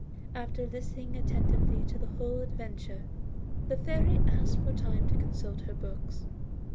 After listening attentively to the whole adventure, the Fairy asked for time to consult her books.